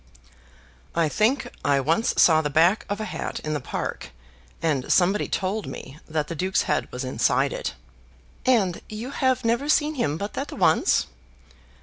"I think I once saw the back of a hat in the park, and somebody told me that the Duke's head was inside it." "And you have never seen him but that once?"